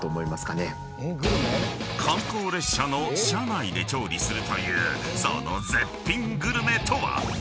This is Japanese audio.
［観光列車の車内で調理するというその絶品グルメとは？］